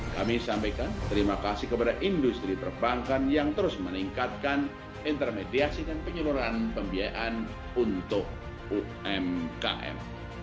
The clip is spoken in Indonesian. kami sampaikan terima kasih kepada industri perbankan yang terus meningkatkan intermediasi dan penyeluruhan pembiayaan untuk umkm